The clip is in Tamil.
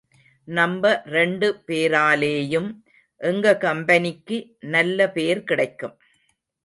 நம்ப ரெண்டு பேராலேயும் எங்க கம்பெனிக்கும் நல்ல பேர் கிடைக்கும்.